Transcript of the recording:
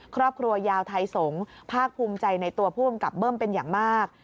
ครอบครัวยาวไทยสงศ์ภาคภูมิใจในตัวผู้กำกับเบิ้มเป็นอย่างมาก